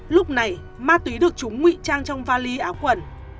lúc này ma túy được chúng nguy trang trong vali áo quần